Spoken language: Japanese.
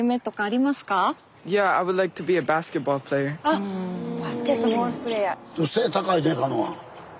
あっバスケットボールプレーヤー。